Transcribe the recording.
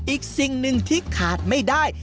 อีกสิ่งหนึ่งที่ขาดไม่ได้